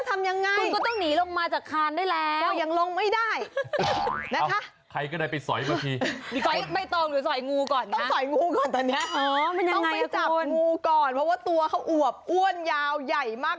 ต้องไปจับแมวงูก่อนเพราะว่าตัวค่ะอ่วบอ้วนยาวใหญ่มาก